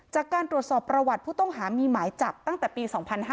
จากการตรวจสอบประวัติผู้ต้องหามีหมายจับตั้งแต่ปี๒๕๕๙